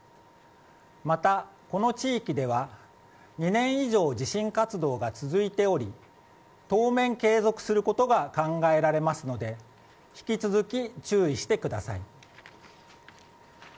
また、この地域では２年以上、地震活動が続いており当面、継続することが考えられますので引き続き注意してください。